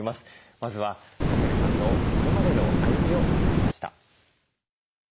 まずはサヘルさんのこれまでの歩みをまとめました。